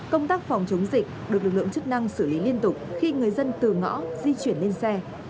công tác phòng chống dịch được lực lượng chức năng xử lý liên tục khi người dân từ ngõ di chuyển lên xe